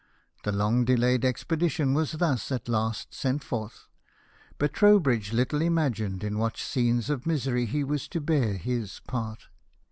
The long delayed expedition was thus at last sent forth, but Trowbridge little imagined in what scenes of misery he was to bear his part.